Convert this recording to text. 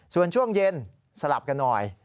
ส่วนช่วงเย็นสลับกันหน่อย